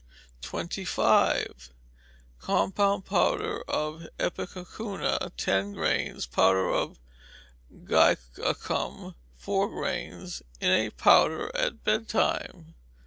25. Compound powder of ipecacuanha, ten grains; powdered guaiacum, four grains: in a powder at bedtime.